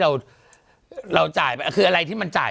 เราจ่ายไป